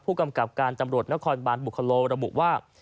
ผู้กำกับการตำรวจนครบานบุคโลระบุว่า